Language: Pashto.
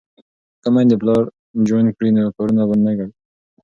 که میندې پلان جوړ کړي نو کارونه به نه ګډوډېږي.